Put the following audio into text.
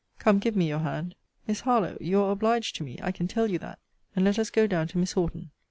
Come, give me your hand. Miss Harlowe: you are obliged to me, I can tell you that: and let us go down to Miss Horton.